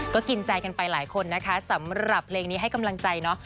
ก็กินใจกันไปหลายคนนะคะสำหรับเพลงนี้ให้กำลังใจเนาะ